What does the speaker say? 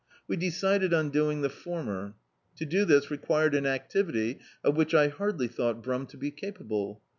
We decided on doing the former. To do this required an activity of which I hardly thought Brum to be capable.